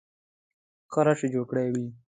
ښه رش یې جوړ کړی وي.